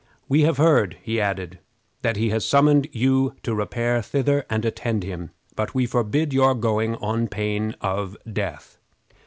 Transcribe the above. "We have heard," he added, "that he has summoned you to repair thither and attend him, but we forbid your going on pain of death."